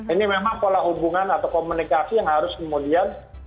ini memang pola hubungan atau komunikasi yang harus kemudian